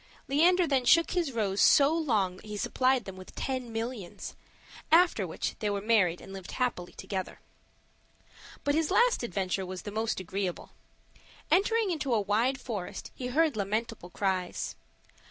Leander then shook his rose so long that he supplied them with ten millions; after which they were married and lived happily together. But his last adventure was the most agreeable. Entering into a wide forest, he heard lamentable cries.